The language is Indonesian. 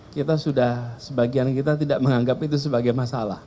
kita tidak menganggap itu sebagai masalah